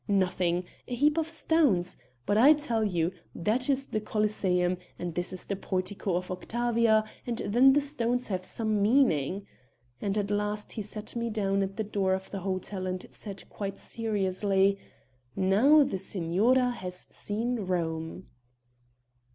Nothing ... a heap of stones ... but I tell you: that is the Colisseum, and this is the Portico of Octavia, and then the stones have some meaning.' And at last he set me down at the door of the hotel and said quite seriously: 'Now the signora has seen Rome.'"